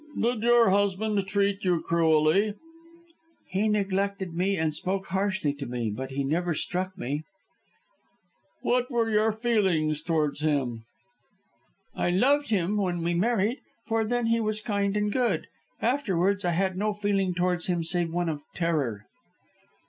"Did your husband treat you cruelly?" "He neglected me and spoke harshly to me, but he never struck me." "What were your feelings towards him?" "I loved him when we married, for then he was kind and good. Afterwards I had no feeling towards him save one of terror."